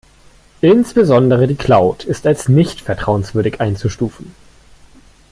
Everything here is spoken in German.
Insbesondere die Cloud ist als nicht vertrauenswürdig einzustufen.